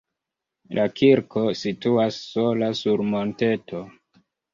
La kirko situas sola sur monteto.